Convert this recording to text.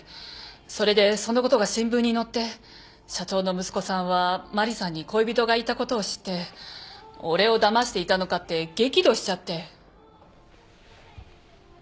それでそのことが新聞に載って社長の息子さんはマリさんに恋人がいたことを知って「俺をだましていたのか」って激怒しちゃって。